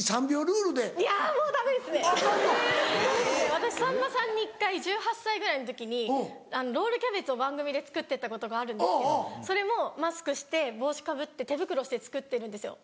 私さんまさんに１回１８歳ぐらいの時にロールキャベツを番組で作ってったことがあるんですけどそれもマスクして帽子かぶって手袋して作ってるんですよ。